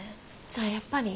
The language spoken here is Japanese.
じゃあやっぱり。